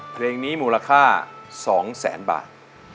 เพลงนี้มูลค่า๒แสนบาท